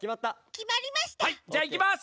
はいじゃいきます！